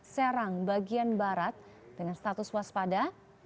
serang bagian barat dengan status waspada